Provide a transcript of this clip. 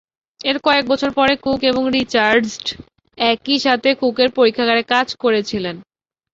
এর কয়েক বছর পরে কুক এবং রিচার্ডস একসাথে কুকের পরীক্ষাগারে কাজ করেছিলেন।